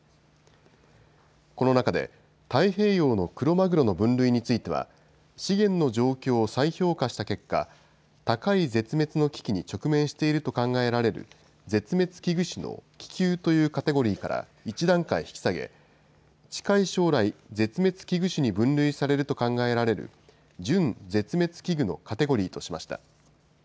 この中で、太平洋のクロマグロの分類については、資源の状況を再評価した結果、高い絶滅の危機に直面していると考えられる、絶滅危惧種の危急というカテゴリーから１段階引き下げ、近い将来、絶滅危惧種に分類されると考えられる純絶滅危惧のカテゴリーとしました。